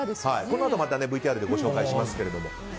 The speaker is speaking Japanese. このあとＶＴＲでご紹介しますけれども。